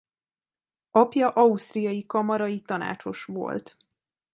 Apja ausztriai kamarai tanácsos volt.